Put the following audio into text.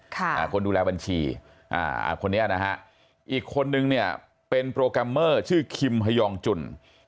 คนดูแลบัญชีอ่าคนนี้นะฮะอีกคนนึงเนี่ยเป็นโปรแกรมเมอร์ชื่อคิมฮยองจุ่น